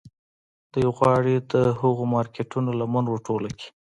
دوی غواړي د هغو مارکیټونو لمن ور ټوله کړي